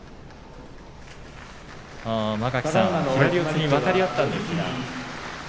間垣さん右四つに渡り合ったんですが。